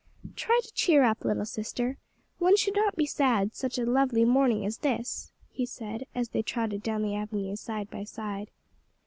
"Try to cheer up, little sister; one should not be sad such a lovely morning as this," he said, as they trotted down the avenue side by side.